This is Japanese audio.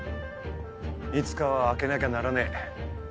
いつかは開けなきゃならねえ。